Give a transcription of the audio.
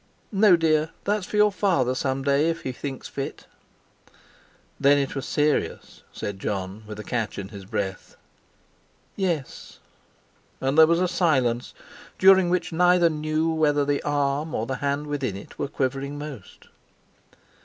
"No, dear; that's for your Father some day, if he thinks fit." "Then it was serious," said Jon, with a catch in his breath. "Yes." And there was a silence, during which neither knew whether the arm or the hand within it were quivering most.